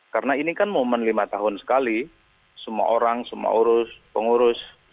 karena ini kan momen lima tahun sekali semua orang semua urus pengurus